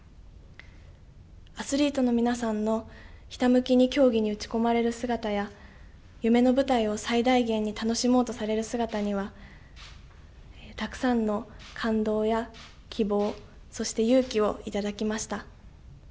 アスリートの皆さんのひたむきに競技に打ち込まれる姿や夢の舞台を最大限に楽しもうとされる姿にはたくさんの感動や希望、そして勇気を頂きました。